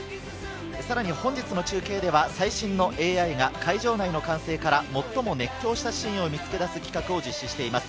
さらに本日の中継では最新のＡＩが会場内の歓声から最も熱狂したシーンを見つけ出す企画を実施しています。